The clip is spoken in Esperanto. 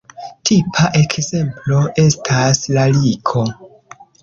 Tipa ekzemplo estas lariko.